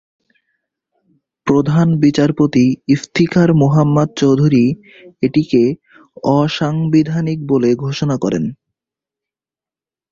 প্রধান বিচারপতি ইফতিখার মুহাম্মদ চৌধুরী এটিকে অসাংবিধানিক বলে ঘোষণা করেন।